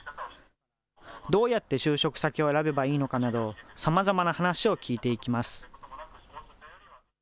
どうやって就職先を選べばいいのかなど、さまざまな話を聞いていきます。